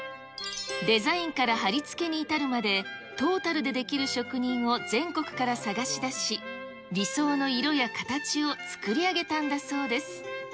デザインから張り付けに至るまで、トータルでできる職人を全国から探し出し、理想の色や形を作り上げたんだそうです。